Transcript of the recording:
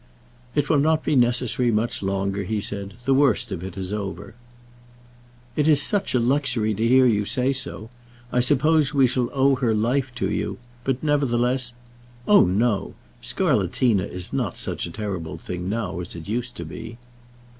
"It will not be necessary much longer," he said; "the worst of it is over." "It is such a luxury to hear you say so. I suppose we shall owe her life to you; but nevertheless " "Oh, no; scarlatina is not such a terrible thing now as it used to be."